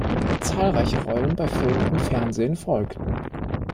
Zahlreiche Rollen bei Film und Fernsehen folgten.